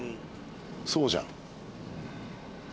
そうじゃん。